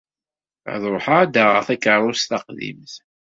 Ad ruḥeɣ ad d-aɣeɣ takerrust taqdimt.